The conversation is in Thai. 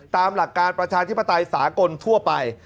ตามหลักการประชาธิปไตยสากลทั่วไป